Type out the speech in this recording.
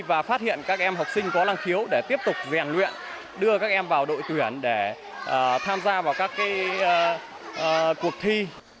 và phát hiện các em học sinh có năng khiếu để tiếp tục rèn luyện đưa các em vào đội tuyển để tham gia vào các cuộc thi